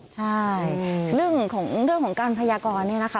ใช่เรื่องของการพยากรเนี่ยนะคะ